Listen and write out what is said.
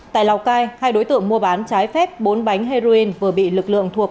tại lào cai hai đối tượng mua bán trái phép bốn bánh heroin vừa bị lực lượng thuộc